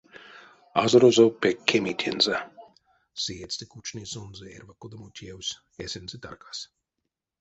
Азорозо пек кеми тензэ, сеетьстэ кучни сонзэ эрьва кодамо тевс эсензэ таркас.